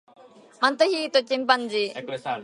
マントヒヒとチンパンジー